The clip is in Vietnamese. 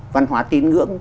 văn hóa tín ngưỡng